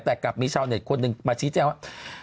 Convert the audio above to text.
แต่กลับมีชาวเน็ตคนหนึ่งมาชี้แจ้งว่า